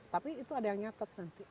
tapi itu ada yang nyatat nanti